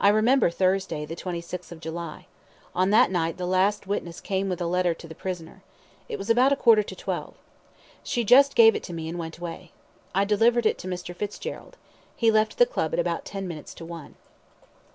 I remember Thursday, 26th July. On that night the last witness came with a letter to the prisoner. It was about a quarter to twelve. She just gave it to me, and went away. I delivered it to Mr. Fitzgerald. He left the Club at about ten minutes to one.